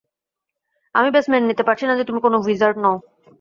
আমি ব্যস মেনে নিতে পারছি না যে তুমি কোনো উইজার্ড নও।